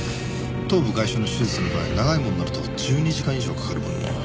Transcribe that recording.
頭部外傷の手術の場合長いものになると１２時間以上かかるものも。